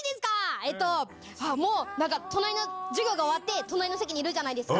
えっと、もう、なんか、隣の授業が終わって、隣の席にいるじゃないですか。